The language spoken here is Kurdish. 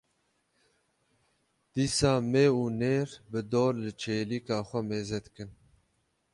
dîsa mê û nêr bi dor li çêlika xwe mêze dikin.